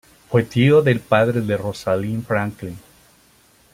Fue tío del padre de Rosalind Franklin.